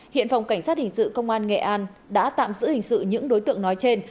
hiện phòng cảnh sát hình sự công an nghệ an đã tạm giữ hình sự những đối tượng nói trên